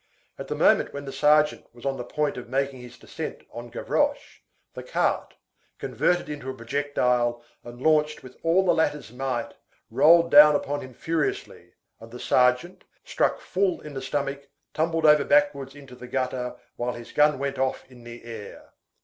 At the moment when the sergeant was on the point of making his descent on Gavroche, the cart, converted into a projectile and launched with all the latter's might, rolled down upon him furiously, and the sergeant, struck full in the stomach, tumbled over backwards into the gutter while his gun went off in the air.